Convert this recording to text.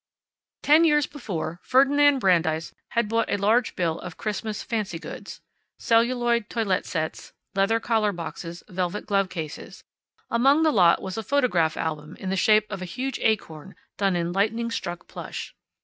Ten years before, Ferdinand Brandeis had bought a large bill of Christmas fancy goods celluloid toilette sets, leather collar boxes, velvet glove cases. Among the lot was a photograph album in the shape of a huge acorn done in lightning struck plush.